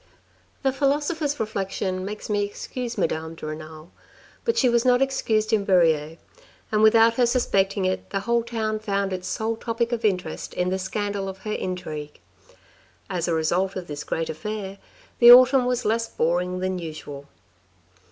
The philosopher's reflection makes me excuse Madame de Renal, but she was not excused in Verrieres, and without her suspecting it, the whole town found its sole topic of interest in the scandal of her intrigue. As a result of this great affair, the autumn was less boring than usual.